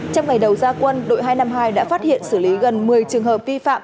trong ngày đầu gia quân đội hai trăm năm mươi hai đã phát hiện xử lý gần một mươi trường hợp vi phạm